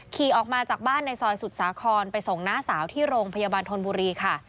ขี่ออกมาจากบ้านในซอยสุดสาครไปส่งน้าสาวที่โรงพยาบาลธนบุรีค่ะ